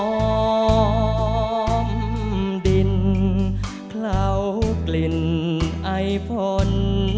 หอมดินเข้ากลิ่นไอฟ้น